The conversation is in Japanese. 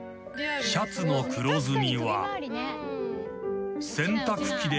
［シャツの黒ずみは］